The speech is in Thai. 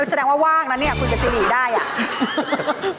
แสดงว่าว่างนะเนี่ยคุยกับซิหรี่ได้อ่ะ